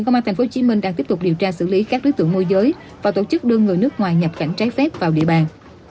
công an tp hcm đang tiếp tục điều tra xử lý các đối tượng môi giới và tổ chức đưa người nước ngoài nhập cảnh trái phép vào địa bàn